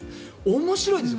面白いですよ。